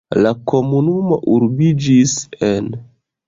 La komunumo urbiĝis en.